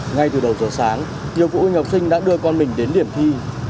ngay từ đầu giờ sáng nhiều phụ huynh học sinh đã đưa con mình đến điểm thi